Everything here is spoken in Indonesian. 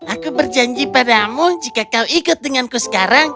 aku berjanji padamu jika kau ikut denganku sekarang